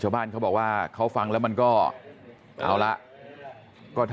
ชาวบ้านเขาบอกว่าเขาฟังแล้วมันก็เอาละ